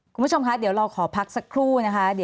คุณผู้ชมคะเดี๋ยวเราขอพักสักครู่นะคะ